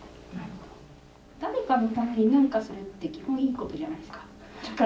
誰かのために何かするって基本いいことじゃないですか。